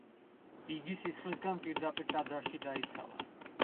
იგი სისხლისგან პირდაპირ ტაძარში დაიცალა.